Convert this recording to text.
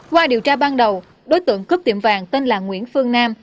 qua điều tra ban đầu đối tượng cướp tiệm vàng tên là nguyễn phương nam